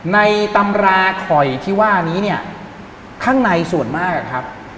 ในตำราข่อยที่ว่านี้ข้างในส่วนมากครับ